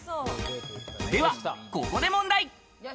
では、ここで問題。